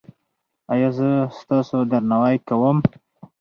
ایا زه ستاسو درناوی کوم؟